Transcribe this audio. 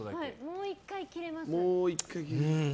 もう１回切れます。